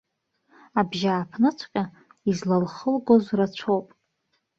Абжьааԥныҵәҟьа излалхылгоз рацәоуп.